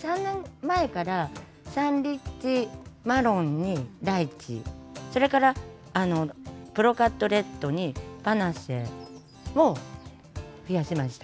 ３年前からサンリッチマロンにライチそれからプロカットレッドにパナッシェを増やしました。